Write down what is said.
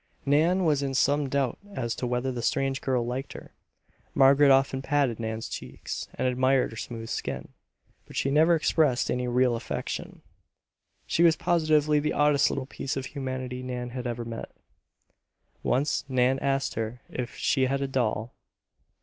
Nan was in some doubt as to whether the strange girl liked her. Margaret often patted Nan's cheeks and admired her smooth skin; but she never expressed any real affection. She was positively the oddest little piece of humanity Nan had ever met. Once Nan asked her if she had a doll.